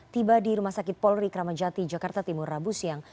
tiba di rumah sakit polri kramajati jakarta timur rabu siang